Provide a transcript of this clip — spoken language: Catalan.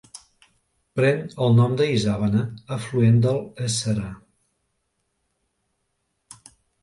Pren el nom de l'Isàvena, afluent de l'Éssera.